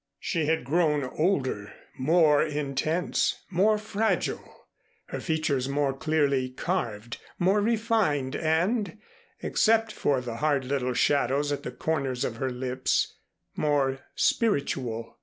She had grown older, more intense, more fragile, her features more clearly carved, more refined and except for the hard little shadows at the corners of her lips more spiritual.